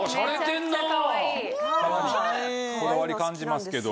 こだわり感じますけど。